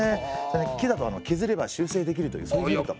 木だとけずれば修正できるというメリット。